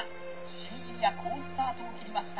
シーギリア好スタートを切りました。